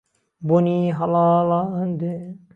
بۆنی هەڵاڵان دێ